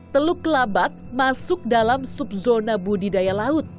teluk kelabat masuk dalam subzona budidaya laut